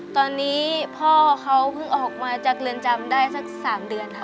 ตอนนี้พ่อเขาเพิ่งออกมาจากเรือนจำได้สัก๓เดือนค่ะ